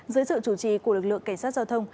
dưới sự chủ trì của lực lượng cảnh sát giao thông